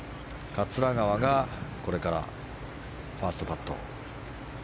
桂川が、これからファーストパット。